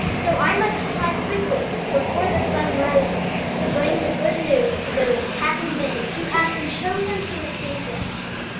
So I must fly quickly, before the sun rises, to bring the good news to those happy men who have been chosen to receive them."